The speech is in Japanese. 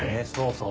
そう！